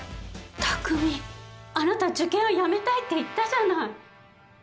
匠あなた受験をやめたいって言ったじゃない。